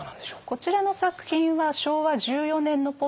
こちらの作品は昭和１４年のポスターです。